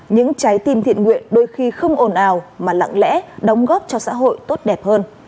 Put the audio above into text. những trái tim thiện nguyện đôi khi không ồn ào mà lặng lẽ đóng góp cho xã hội tốt đẹp hơn